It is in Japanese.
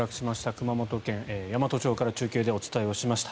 熊本県山都町から中継でお伝えしました。